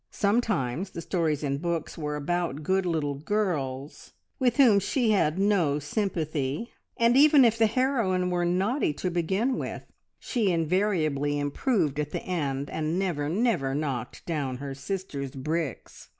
Sometimes the stories in books were about good little girls with whom she had no sympathy, and even if the heroine were naughty to begin with, she invariably improved at the end, and never, never knocked down her sister's bricks.